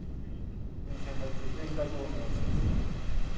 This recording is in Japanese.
全線開通連絡をお願いします。